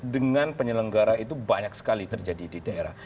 dengan penyelenggara itu banyak sekali terjadi di daerah